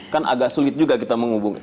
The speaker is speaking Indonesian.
kan agak sulit juga kita menghubungi